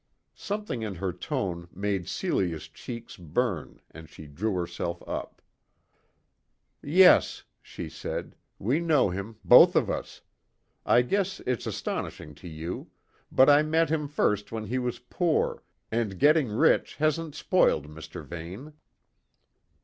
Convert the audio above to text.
Something in her tone made Celia's cheeks burn and she drew herself up. "Yes," she said; "we know him, both of us; I guess it's astonishing to you; but I met him first when he was poor, and getting rich hasn't spoiled Mr. Vane."